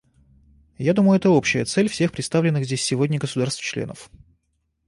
Я думаю, это общая цель всех представленных здесь сегодня государств-членов.